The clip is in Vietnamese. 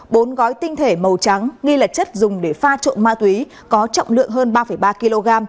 bốn gói tinh thể màu trắng nghi là chất dùng để pha trộn ma túy có trọng lượng hơn ba ba kg